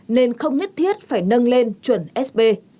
nên không nhất thiết phải nâng lên chuẩn sp